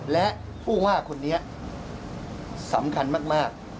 และผู้ว่าคนนี้สำคัญมาก